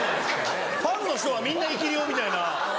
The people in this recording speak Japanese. ファンの人はみんな生き霊みたいな。